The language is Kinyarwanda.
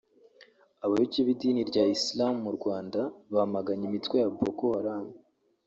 Abayoboke b’idini rya Isilamu mu Rwanda bamaganye imitwe ya Boko Haram